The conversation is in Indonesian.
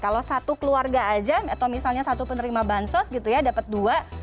kalau satu keluarga aja atau misalnya satu penerima bansos gitu ya dapat dua